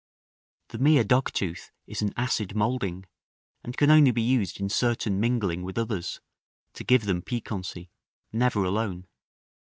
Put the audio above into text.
The mere dogtooth is an acid moulding, and can only be used in certain mingling with others, to give them piquancy; never alone.